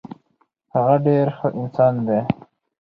هغه ډیر ښه انسان دی.